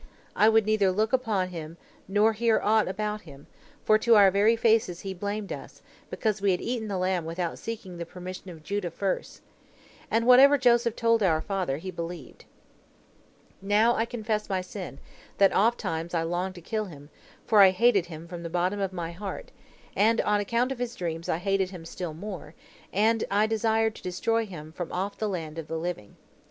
I would neither look upon him nor hear aught about him, for to our very faces he, blamed us, because we had eaten the lamb without seeking the permission of Judah first. And whatever Joseph told our father, he believed. "Now I confess my sin, that ofttimes I longed to kill him, for I hated him from the bottom of my heart, and on account of his dreams I hated him still more, and I desired to destroy him from off the land of the living.